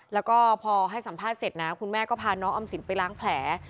แล้วก็พอให้สัมภาษณ์เสร็จนะคุณแม่ก็พาน้องออมสินไปล้างแผล